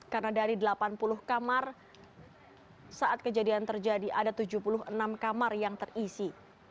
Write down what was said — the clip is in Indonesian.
karena dari delapan puluh kamar saat kejadian terjadi ada tujuh puluh enam kamar yang terisi